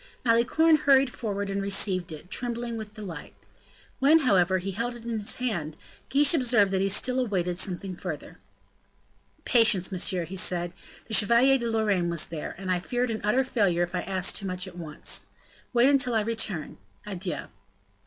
Malicorne hurried forward, and received it, trembling with delight. When, however, he held in his hand, Guiche observed that he still awaited something further. "Patience, monsieur," he said; "the Chevalier de Lorraine was there, and I feared an utter failure if I asked too much at once. Wait until I return. Adieu."